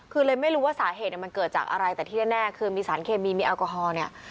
คือเลยไม่รู้ว่าสาเหตุมันเกิดจากอะไรแต่ที่แน่คือมีสารเคมีมีแอลกอฮอล์เนี่ย